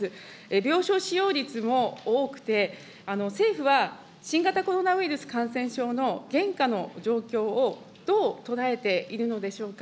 病床使用率も多くて、政府は新型コロナウイルス感染症の現下の状況をどう捉えているのでしょうか。